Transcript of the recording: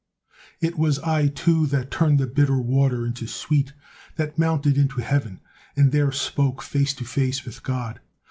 It was I, too, that turned the bitter water into sweet, that mounted into heaven, and there spoke face to face with God!